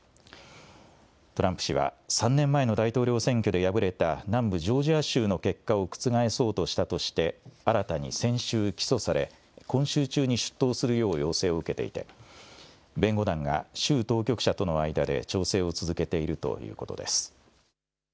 トランプ氏は３年前の大統領選挙で敗れた南部ジョージア州の結果を覆そうとしたとして、新たに先週起訴され、今週中に出頭するよう要請を受けていて、弁護団が州当局者との間で調整を続けているということです。